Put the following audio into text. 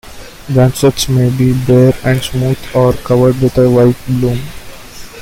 Branchlets may be bare and smooth or covered with a white bloom.